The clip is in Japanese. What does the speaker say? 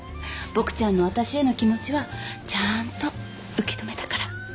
ボクちゃんの私への気持ちはちゃーんと受け止めたから。